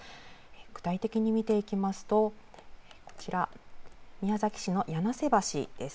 具体的に見ていきますと、こちら宮崎市の柳瀬橋です。